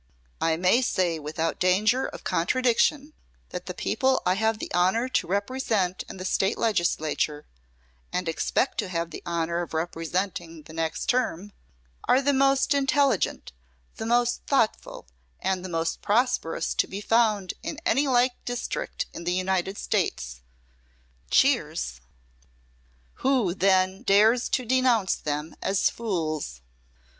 I may say without danger of contradiction that the people I have the honor to represent in the State Legislature, and expect to have the honor of representing the next term, are the most intelligent, the most thoughtful and the most prosperous to be found in any like district in the United States. (Cheers.) Who, then, dares to denounce them as fools?